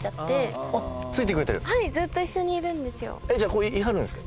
ここにいはるんですか？